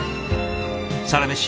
「サラメシ」